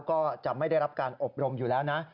ก็จะไม่ได้รับการอบรมอยู่แล้วนะ